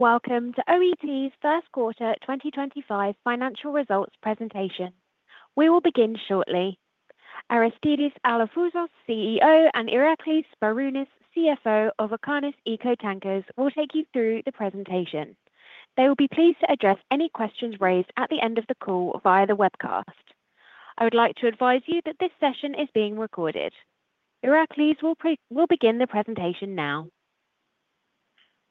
Welcome to OET's first quarter 2025 financial results presentation. We will begin shortly. Aristidis Alafouzos, CEO, and Iraklis Sbarounis, CFO of Okeanis Eco Tankers, will take you through the presentation. They will be pleased to address any questions raised at the end of the call via the webcast. I would like to advise you that this session is being recorded. Iraklis will begin the presentation now.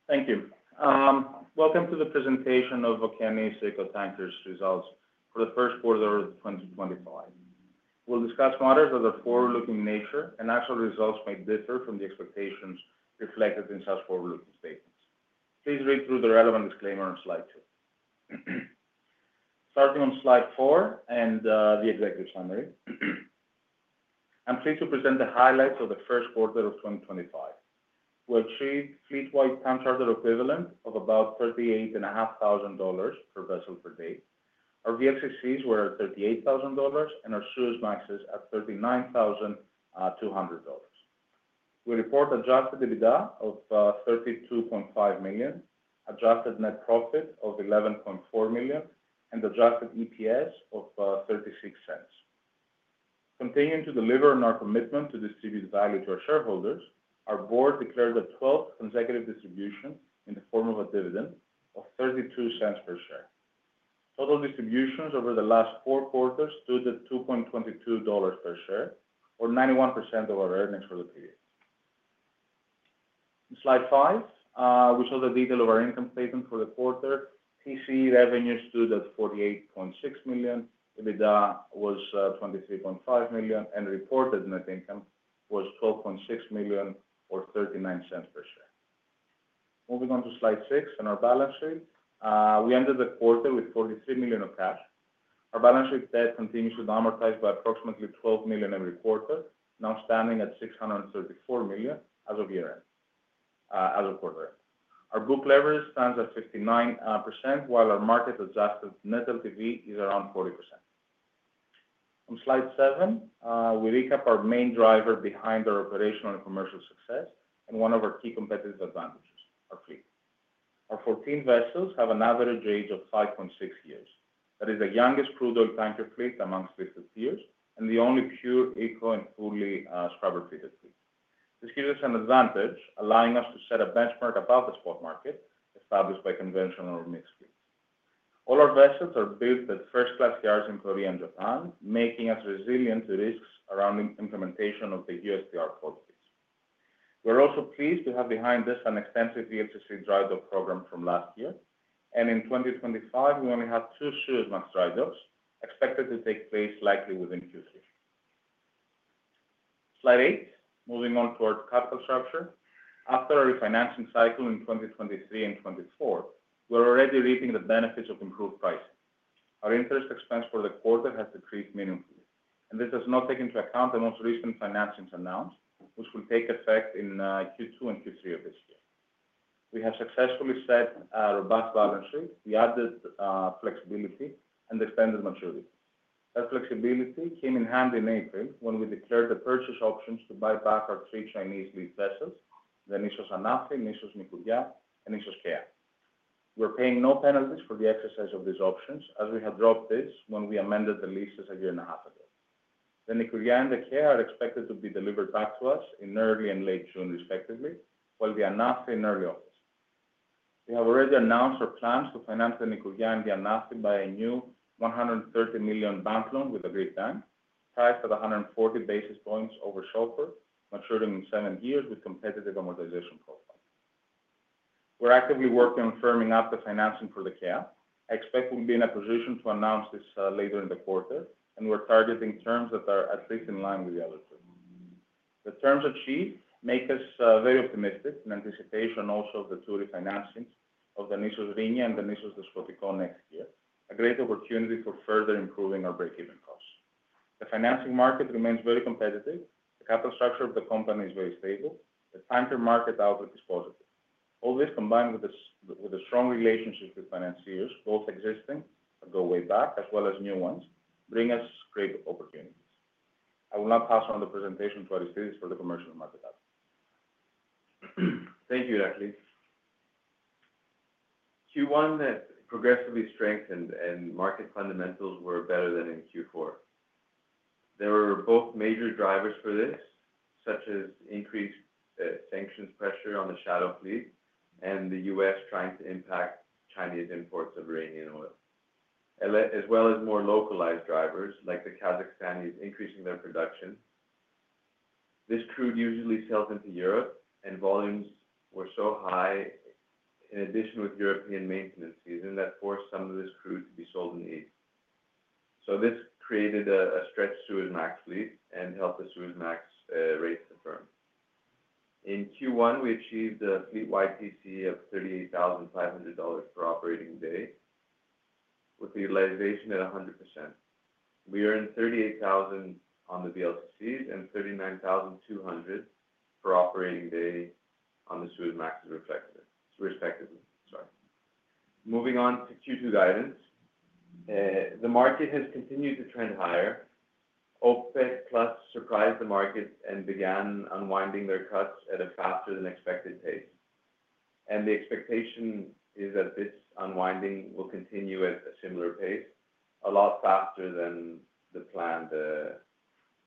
Thank you. Welcome to the presentation of Okeanis Eco Tankers' results for the first quarter of 2025. We'll discuss matters that are forward-looking in nature, and actual results may differ from the expectations reflected in such forward-looking statements. Please read through the relevant disclaimer on slide 2. Starting on slide 4 and the executive summary, I'm pleased to present the highlights of the first quarter of 2025. We achieved fleet-wide time charter equivalent of about $38,500 per vessel per day. Our VLCCs were at $38,000, and our Suezmaxes at $39,200. We report Adjusted EBITDA of $32.5 million, adjusted net profit of $11.4 million, and adjusted EPS of $0.36. Continuing to deliver on our commitment to distribute value to our shareholders, our board declared a 12th consecutive distribution in the form of a dividend of $0.32 per share. Total distributions over the last 4 quarters stood at $2.22 per share, or 91% of our earnings for the period. In slide 5, we show the detail of our income statement for the quarter. TCE revenues stood at $48.6 million, EBITDA was $23.5 million, and reported net income was $12.6 million, or $0.39 per share. Moving on to slide 6 and our balance sheet, we ended the quarter with $43 million of cash. Our balance sheet debt continues to amortize by approximately $12 million every quarter, now standing at $634 million as of year-end, as of quarter-end. Our book leverage stands at 59%, while our market-adjusted net LTV is around 40%. On slide 7, we recap our main driver behind our operational and commercial success and 1 of our key competitive advantages, our fleet. Our 14 vessels have an average age of 5.6 years. That is the youngest crude oil tanker fleet amongst listed peers and the only pure eco and fully scrubber-treated fleet. This gives us an advantage, allowing us to set a benchmark above the spot market established by conventional or mixed fleets. All our vessels are built at first-class yards in Korea and Japan, making us resilient to risks around implementation of the U.S.T.R. qualities. We're also pleased to have behind us an extensive VLCC dry dock program from last year. In 2025, we only have 2 Suezmax dry docks expected to take place likely within Q3. Slide 8, moving on toward capital structure. After our refinancing cycle in 2023 and 2024, we're already reaping the benefits of improved pricing. Our interest expense for the quarter has decreased meaningfully, and this does not take into account the most recent financings announced, which will take effect in Q2 and Q3 of this year. We have successfully set a robust balance sheet. We added flexibility and extended maturity. That flexibility came in handy in April when we declared the purchase options to buy back our 3 Chinese leased vessels: the Nissos Anafi, Nissos Nikouria, and Nissos Kea. We're paying no penalties for the exercise of these options, as we had dropped this when we amended the leases a year and a half ago. The Nikouria and the Kea are expected to be delivered back to us in early and late June, respectively, while the Anafi in early August. We have already announced our plans to finance the Nissos Nikouria and the Nissos Anafi by a new $130 million bank loan with a Greek bank, priced at 140 basis points over SOFR, maturing in seven years with a competitive amortization profile. We're actively working on firming up the financing for the Nissos Kea. I expect we'll be in a position to announce this later in the quarter, and we're targeting terms that are at least in line with the other 2. The terms achieved make us very optimistic in anticipation also of the 2 refinancings of the Nissos Rhenia and the Nissos Despotiko next year, a great opportunity for further improving our break-even costs. The financing market remains very competitive. The capital structure of the company is very stable. The tanker market outlook is positive. All this, combined with a strong relationship with financiers, both existing that go way back as well as new ones, brings us great opportunities. I will now pass on the presentation to Aristidis for the commercial market. Thank you, Iraklis. Q1 had progressively strengthened, and market fundamentals were better than in Q4. There were both major drivers for this, such as increased sanctions pressure on the shadow fleet and the US trying to impact Chinese imports of Iranian oil, as well as more localized drivers like the Kazakhstanis increasing their production. This crude usually sells into Europe, and volumes were so high, in addition with European maintenance season, that forced some of this crude to be sold in the east. This created a stretched Suezmax fleet and helped the Suezmax rate to firm. In Q1, we achieved a fleet-wide TCE of $38,500 per operating day with the utilization at 100%. We earned $38,000 on the VLCCs and $39,200 per operating day on the Suezmaxes, respectively. Sorry. Moving on to Q2 guidance, the market has continued to trend higher. OPEC Plus surprised the market and began unwinding their cuts at a faster than expected pace. The expectation is that this unwinding will continue at a similar pace, a lot faster than the planned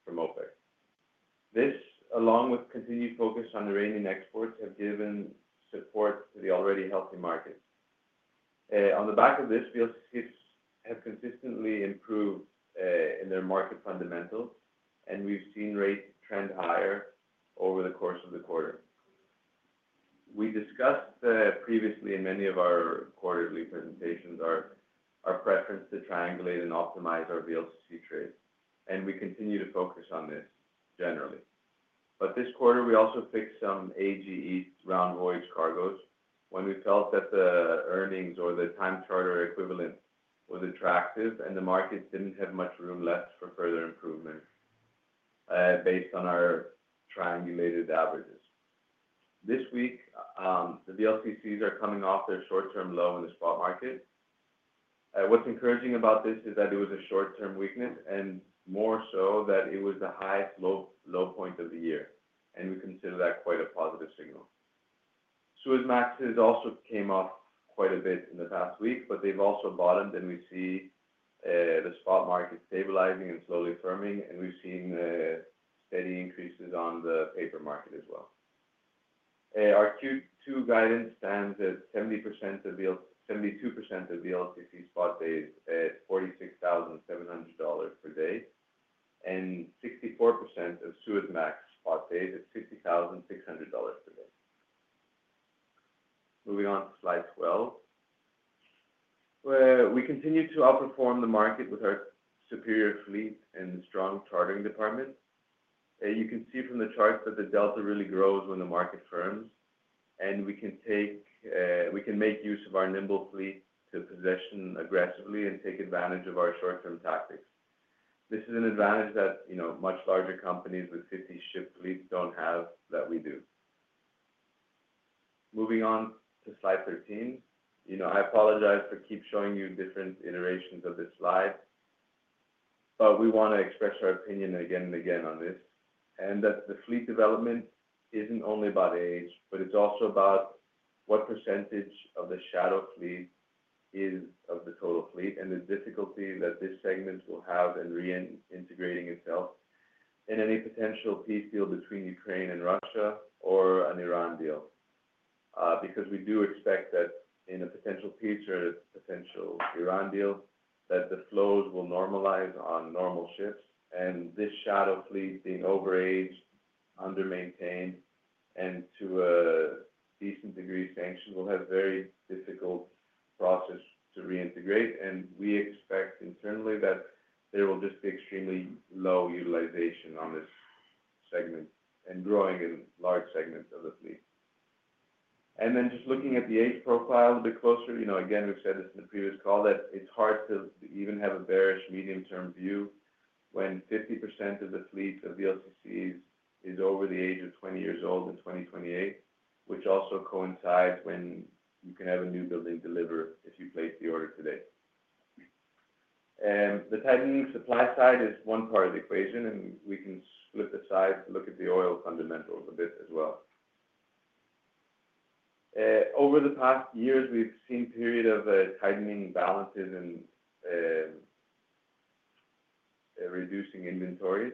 from OPEC. This, along with continued focus on Iranian exports, has given support to the already healthy market. On the back of this, VLCCs have consistently improved in their market fundamentals, and we have seen rates trend higher over the course of the quarter. We discussed previously in many of our quarterly presentations our preference to triangulate and optimize our VLCC trade, and we continue to focus on this generally. This quarter, we also fixed some AG round voyage cargos when we felt that the earnings or the time charter equivalent was attractive and the market did not have much room left for further improvement based on our triangulated averages. This week, the VLCCs are coming off their short-term low in the spot market. What's encouraging about this is that it was a short-term weakness and more so that it was the highest low point of the year, and we consider that quite a positive signal. Suezmaxes also came off quite a bit in the past week, but they have also bottomed, and we see the spot market stabilizing and slowly firming, and we have seen steady increases on the paper market as well. Our Q2 guidance stands at 72% of VLCC spot days at $46,700 per day, and 64% of Suezmax spot days at $50,600 per day. Moving on to slide 12, we continue to outperform the market with our superior fleet and strong chartering department. You can see from the charts that the delta really grows when the market firms, and we can make use of our nimble fleet to position aggressively and take advantage of our short-term tactics. This is an advantage that much larger companies with 50-ship fleets do not have that we do. Moving on to slide 13, I apologize for keep showing you different iterations of this slide, but we want to express our opinion again and again on this, and that the fleet development is not only about age, but it is also about what percentage of the shadow fleet is of the total fleet and the difficulty that this segment will have in reintegrating itself in any potential peace deal between Ukraine and Russia or an Iran deal. Because we do expect that in a potential peace or a potential Iran deal, that the flows will normalize on normal ships, and this shadow fleet being overaged, undermaintained, and to a decent degree sanctioned will have a very difficult process to reintegrate. We expect internally that there will just be extremely low utilization on this segment and growing in large segments of the fleet. Just looking at the age profile a bit closer, again, we've said this in the previous call, that it's hard to even have a bearish medium-term view when 50% of the fleet of VLCCs is over the age of 20 years old in 2028, which also coincides when you can have a new building deliver if you place the order today. The tightening supply side is one part of the equation, and we can flip the side to look at the oil fundamentals a bit as well. Over the past years, we've seen a period of tightening balances and reducing inventories,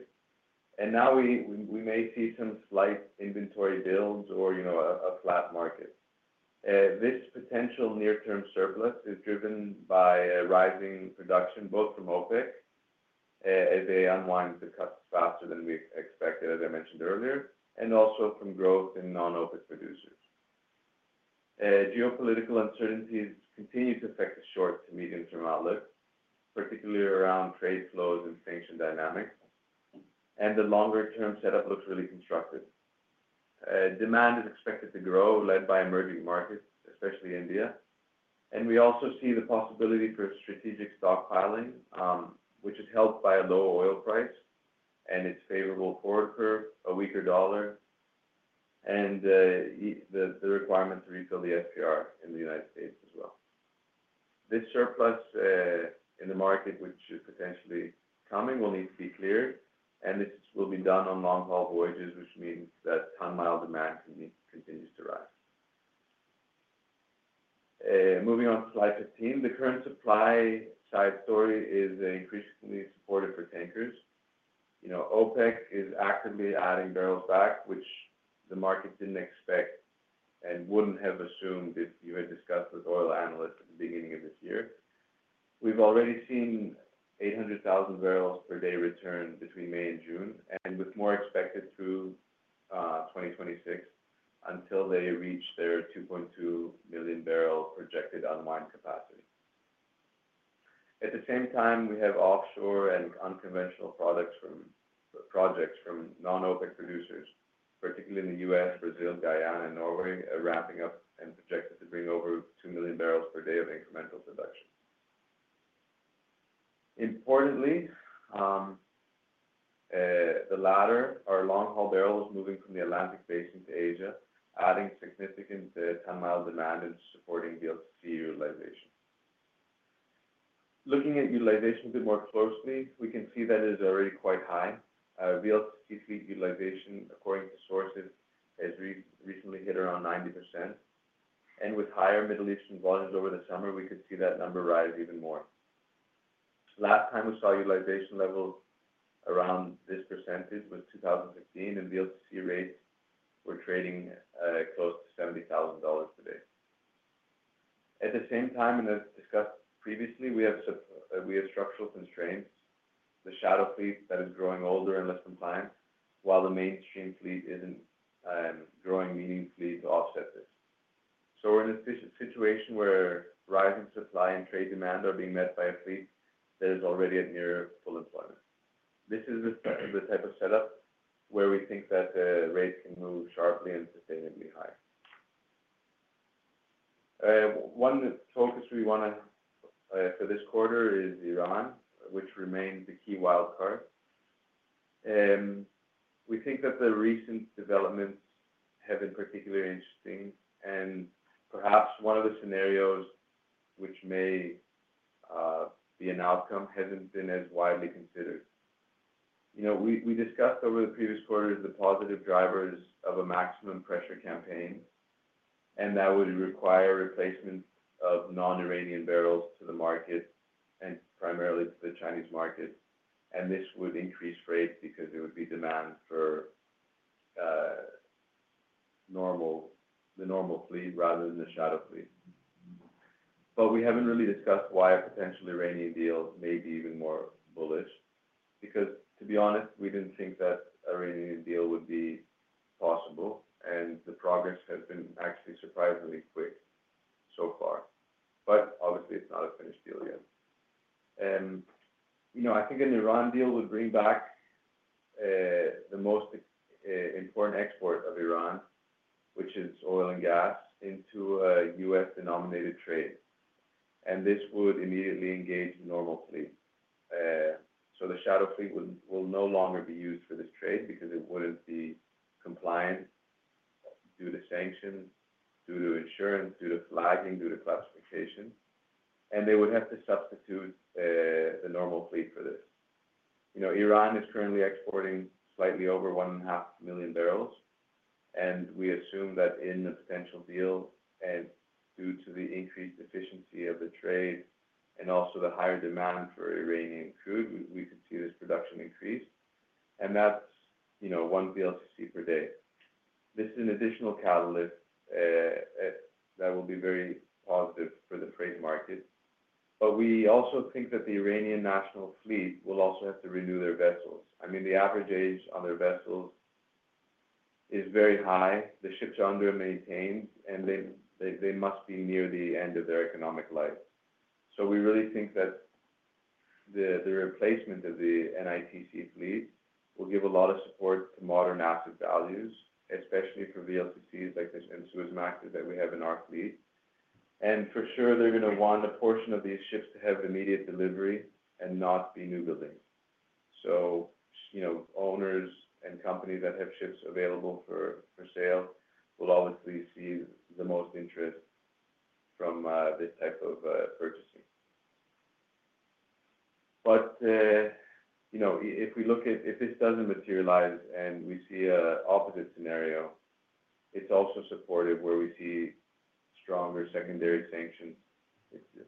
and now we may see some slight inventory builds or a flat market. This potential near-term surplus is driven by rising production both from OPEC as they unwind the cuts faster than we expected, as I mentioned earlier, and also from growth in non-OPEC producers. Geopolitical uncertainties continue to affect the short- to medium-term outlook, particularly around trade flows and sanction dynamics, and the longer-term setup looks really constructive. Demand is expected to grow, led by emerging markets, especially India. We also see the possibility for strategic stockpiling, which is helped by a low oil price and its favorable forward curve, a weaker dollar, and the requirement to refill the SPR in the United States as well. This surplus in the market, which is potentially coming, will need to be cleared, and this will be done on long-haul voyages, which means that ton-mile demand continues to rise. Moving on to slide 15, the current supply side story is increasingly supportive for tankers. OPEC is actively adding barrels back, which the market did not expect and would not have assumed if you had discussed with oil analysts at the beginning of this year. We have already seen 800,000 barrels per day return between May and June, and with more expected through 2026 until they reach their 2.2 million barrel projected unwind capacity. At the same time, we have offshore and unconventional projects from non-OPEC producers, particularly in the US, Brazil, Guyana, and Norway, ramping up and projected to bring over 2 million barrels per day of incremental production. Importantly, the latter, our long-haul barrels moving from the Atlantic Basin to Asia, adding significant ton-mile demand and supporting VLCC utilization. Looking at utilization a bit more closely, we can see that it is already quite high. VLCC fleet utilization, according to sources, has recently hit around 90%. With higher Middle Eastern volumes over the summer, we could see that number rise even more. Last time we saw utilization levels around this percentage was 2015, and VLCC rates were trading close to $70,000 per day. At the same time, and as discussed previously, we have structural constraints. The shadow fleet that is growing older and less compliant, while the mainstream fleet is not growing meaningfully to offset this. We are in a situation where rising supply and trade demand are being met by a fleet that is already at near full employment. This is the type of setup where we think that the rates can move sharply and sustainably high. One focus we want to for this quarter is Iran, which remains the key wild card. We think that the recent developments have been particularly interesting, and perhaps 1 of the scenarios which may be an outcome has not been as widely considered. We discussed over the previous quarter the positive drivers of a maximum pressure campaign, and that would require replacement of non-Iranian barrels to the market and primarily to the Chinese market. This would increase rates because there would be demand for the normal fleet rather than the shadow fleet. We have not really discussed why a potential Iranian deal may be even more bullish. To be honest, we did not think that an Iranian deal would be possible, and the progress has been actually surprisingly quick so far. Obviously, it is not a finished deal yet. I think an Iran deal would bring back the most important export of Iran, which is oil and gas, into US-denominated trade. This would immediately engage the normal fleet. The shadow fleet will no longer be used for this trade because it would not be compliant due to sanctions, due to insurance, due to flagging, due to classification. They would have to substitute the normal fleet for this. Iran is currently exporting slightly over 1.5 million barrels, and we assume that in a potential deal, and due to the increased efficiency of the trade and also the higher demand for Iranian crude, we could see this production increase. That is one VLCC per day. This is an additional catalyst that will be very positive for the trade market. We also think that the Iranian national fleet will also have to renew their vessels. I mean, the average age on their vessels is very high. The ships are undermaintained, and they must be near the end of their economic life. We really think that the replacement of the NITC fleet will give a lot of support to modern asset values, especially for VLCCs like this and Suezmaxes that we have in our fleet. For sure, they're going to want a portion of these ships to have immediate delivery and not be new buildings. Owners and companies that have ships available for sale will obviously see the most interest from this type of purchasing. If we look at if this does not materialize and we see an opposite scenario, it is also supportive where we see stronger secondary sanctions.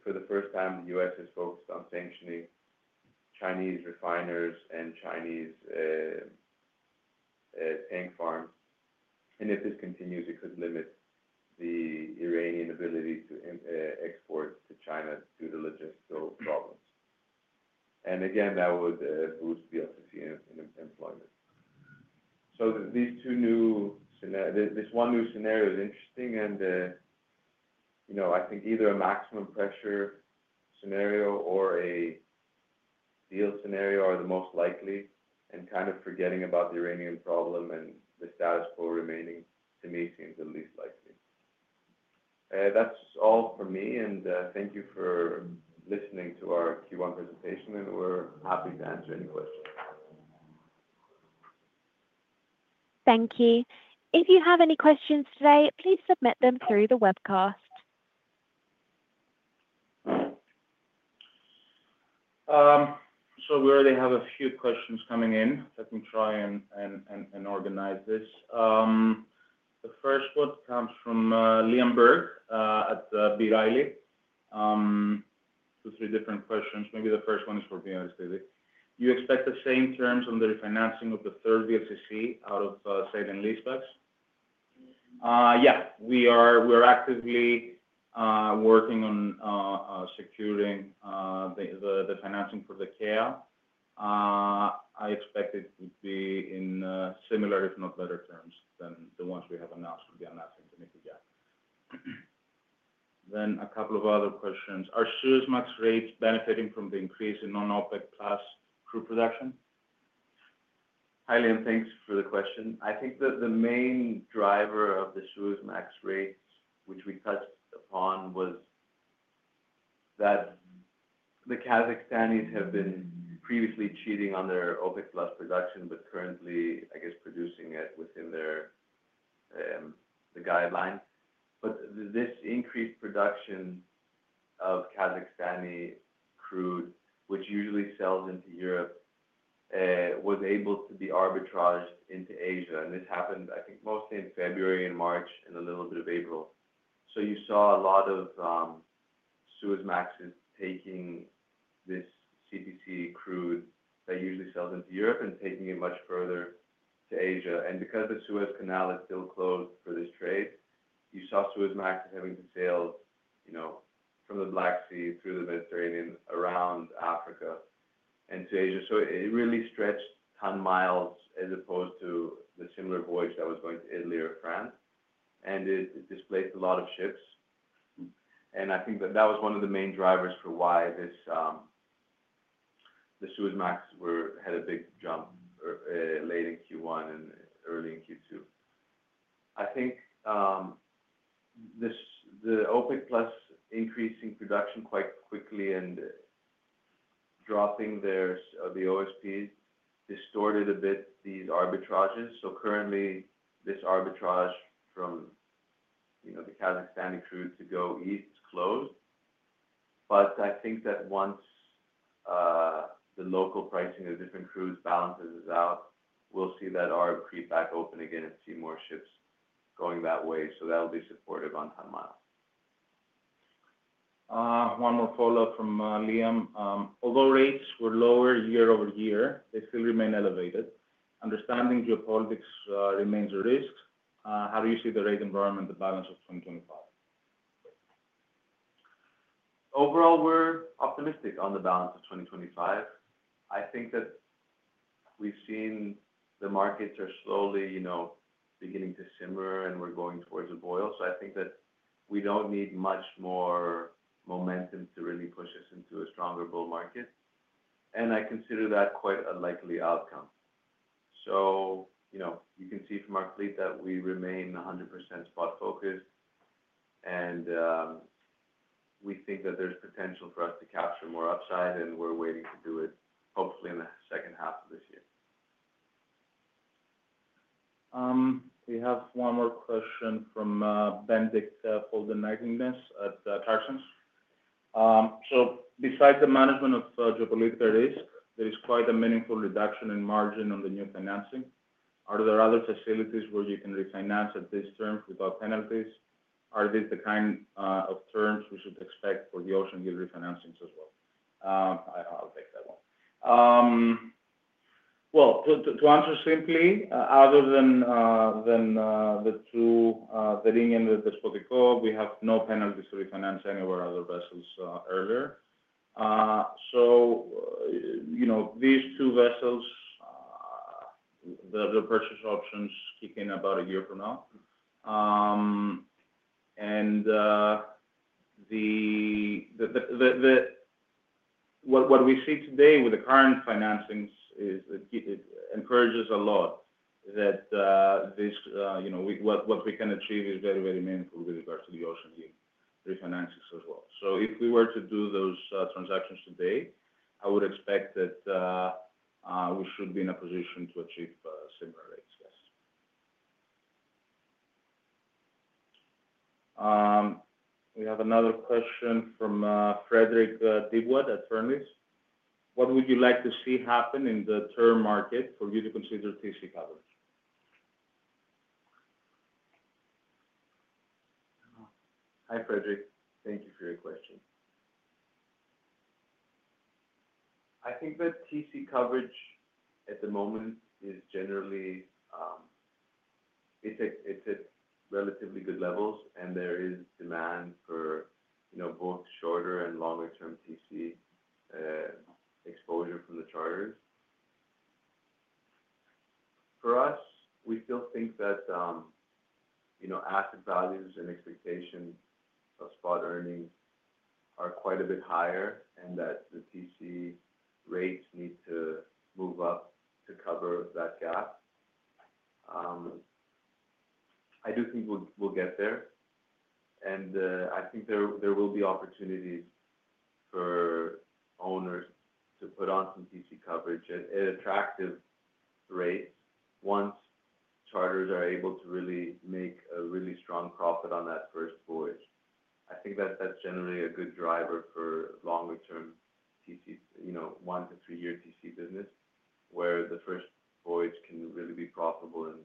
For the first time, the U.S. has focused on sanctioning Chinese refiners and Chinese tank farms. If this continues, it could limit the Iranian ability to export to China due to logistical problems. Again, that would boost VLCC employment. This 1 new scenario is interesting, and I think either a maximum pressure scenario or a deal scenario are the most likely, and kind of forgetting about the Iranian problem and the status quo remaining, to me, seems the least likely. That's all for me, and thank you for listening to our Q1 presentation, and we're happy to answer any questions. Thank you. If you have any questions today, please submit them through the webcast. We already have a few questions coming in. Let me try and organize this. The first one comes from Liam Burke at B. Riley. 2 or 3 different questions. Maybe the first one is for Birte. Do you expect the same terms on the refinancing of the third VLCC out of Saudi and Lisbac? Yeah. We are actively working on securing the financing for the Kea. I expect it would be in similar, if not better, terms than the ones we have announced from Birte to Nikurya. Then a couple of other questions. Are Suezmax rates benefiting from the increase in non-OPEC Plus crude production? Hi, Leon. Thanks for the question. I think that the main driver of the Suezmax rates, which we touched upon, was that the Kazakhstanis have been previously cheating on their OPEC Plus production, but currently, I guess, producing it within the guideline. This increased production of Kazakhstani crude, which usually sells into Europe, was able to be arbitraged into Asia. This happened, I think, mostly in February and March and a little bit of April. You saw a lot of Suezmaxes taking this Kazakhstani crude that usually sells into Europe and taking it much further to Asia. Because the Suez Canal is still closed for this trade, you saw Suezmaxes having to sail from the Black Sea through the Mediterranean around Africa and to Asia. It really stretched ton miles as opposed to the similar voyage that was going to Italy or France, and it displaced a lot of ships. I think that that was one of the main drivers for why the Suezmax had a big jump late in Q1 and early in Q2. I think the OPEC Plus increasing production quite quickly and dropping the OSPs distorted a bit these arbitrages. Currently, this arbitrage from the Kazakhstani crude to go east is closed. I think that once the local pricing of different crude balances is out, we'll see that arbitrage back open again and see more ships going that way. That will be supportive on ton miles. One more follow-up from Liam. Although rates were lower year over year, they still remain elevated. Understanding geopolitics remains a risk. How do you see the rate environment, the balance of 2025? Overall, we're optimistic on the balance of 2025. I think that we've seen the markets are slowly beginning to simmer, and we're going towards a boil. I think that we don't need much more momentum to really push us into a stronger bull market. I consider that quite a likely outcome. You can see from our fleet that we remain 100% spot-focused, and we think that there's potential for us to capture more upside, and we're waiting to do it, hopefully, in the second half of this year. We have one more question from Bendix Foldeneggingness at Tucsons. Besides the management of geopolitical risk, there is quite a meaningful reduction in margin on the new financing. Are there other facilities where you can refinance at these terms without penalties? Are these the kind of terms we should expect for the Ocean Hill refinancings as well? I'll take that one. To answer simply, other than the 2, Thalia and the Despotiko, we have no penalties to refinance any of our other vessels earlier. These 2 vessels, the purchase options kick in about a year from now. What we see today with the current financings is that it encourages a lot that what we can achieve is very, very meaningful with regards to the Ocean Hill refinancings as well. If we were to do those transactions today, I would expect that we should be in a position to achieve similar rates, yes. We have another question from Frederick Deibwad at Furnis. What would you like to see happen in the term market for you to consider TC coverage? Hi, Frederick. Thank you for your question. I think that TC coverage at the moment is generally at relatively good levels, and there is demand for both shorter and longer-term TC exposure from the charters. For us, we still think that asset values and expectations of spot earnings are quite a bit higher and that the TC rates need to move up to cover that gap. I do think we'll get there. I think there will be opportunities for owners to put on some TC coverage at attractive rates once charters are able to really make a really strong profit on that first voyage. I think that that's generally a good driver for longer-term TC, one to 3 year TC business, where the first voyage can really be profitable and,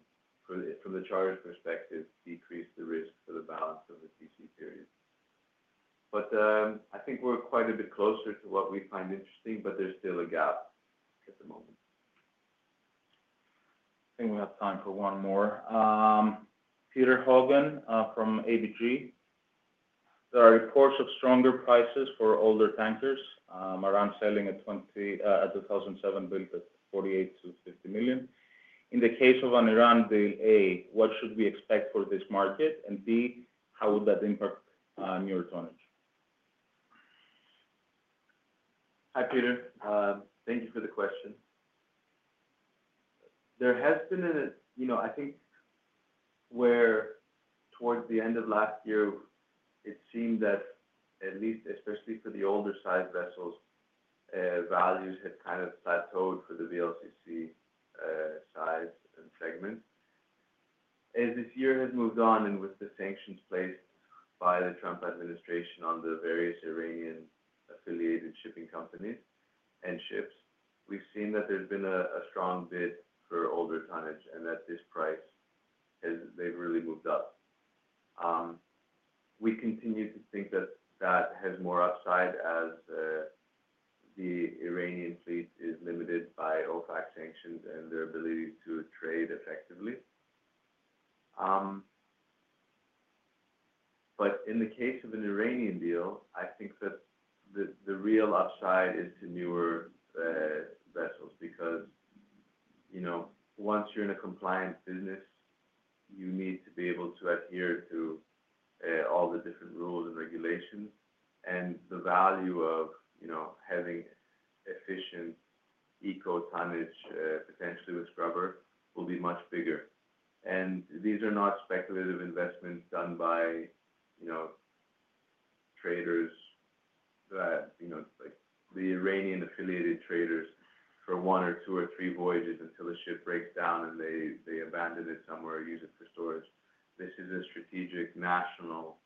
from the charter's perspective, decrease the risk for the balance of the TC period. I think we're quite a bit closer to what we find interesting, but there's still a gap at the moment. I think we have time for one more. Petter Haugen from ABG. There are reports of stronger prices for older tankers around sailing at 2007 built at $48 million-$50 million. In the case of an Iran deal, A, what should we expect for this market? B, how would that impact newer tonnage? Hi, Peter. Thank you for the question. There has been a, I think, where towards the end of last year, it seemed that, at least especially for the older-sized vessels, values had kind of plateaued for the VLCC size and segment. As this year has moved on and with the sanctions placed by the Trump administration on the various Iranian-affiliated shipping companies and ships, we've seen that there's been a strong bid for older tonnage and that this price has really moved up. We continue to think that that has more upside as the Iranian fleet is limited by OPEC sanctions and their ability to trade effectively. In the case of an Iranian deal, I think that the real upside is to newer vessels because once you're in a compliant business, you need to be able to adhere to all the different rules and regulations. The value of having efficient eco-tonnage, potentially with scrubber, will be much bigger. These are not speculative investments done by traders, like the Iranian-affiliated traders, for 1 or 2 or 3 voyages until a ship breaks down and they abandon it somewhere or use it for storage. This is a strategic national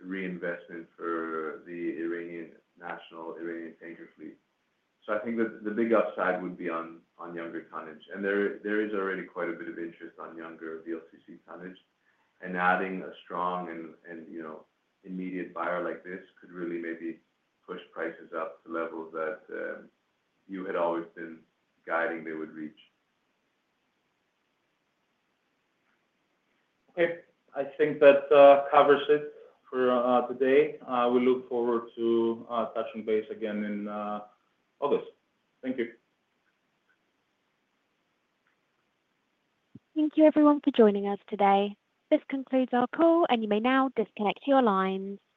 reinvestment for the National Iranian Tanker Company fleet. I think that the big upside would be on younger tonnage. There is already quite a bit of interest on younger VLCC tonnage. Adding a strong and immediate buyer like this could really maybe push prices up to levels that you had always been guiding they would reach. Okay. I think that covers it for today. We look forward to touching base again in August. Thank you. Thank you, everyone, for joining us today. This concludes our call, and you may now disconnect your lines.